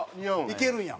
いけるんや。